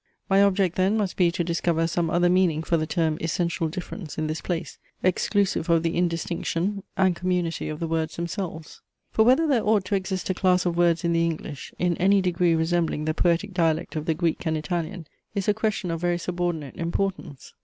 My object then must be to discover some other meaning for the term "essential difference" in this place, exclusive of the indistinction and community of the words themselves. For whether there ought to exist a class of words in the English, in any degree resembling the poetic dialect of the Greek and Italian, is a question of very subordinate importance.